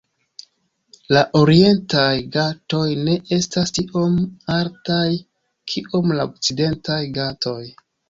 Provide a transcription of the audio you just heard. La Orientaj Ghatoj ne estas tiom altaj kiom la Okcidentaj Ghatoj.